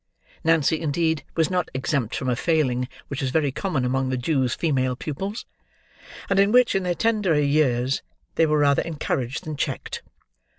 Nancy, indeed, was not exempt from a failing which was very common among the Jew's female pupils; and in which, in their tenderer years, they were rather encouraged than checked.